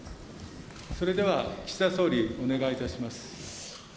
それでは、岸田総理、お願いいたします。